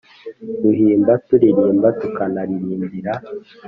Duhimba turirimba tukanarimbira